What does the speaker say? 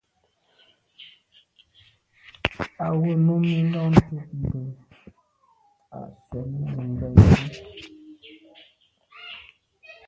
Á wʉ́ Nùmí nɔ́ɔ̀ cúp mbʉ̀ á swɛ́ɛ̀n Nùŋgɛ̀ dí.